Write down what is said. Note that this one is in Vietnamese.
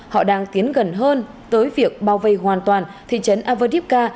họ đang tiến gần hơn tới việc bao vây hoàn toàn thị trấn averdibka